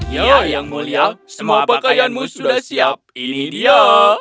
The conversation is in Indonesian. ya yang mulia semua pakaianmu sudah siap ini dia